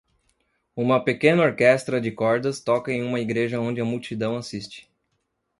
Uma pequena orquestra de cordas toca em uma igreja onde a multidão assiste.